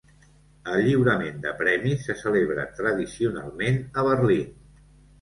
El lliurament de premis se celebra tradicionalment a Berlín.